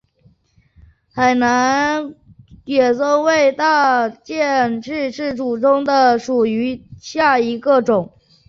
海南野桐为大戟科野桐属下的一个种。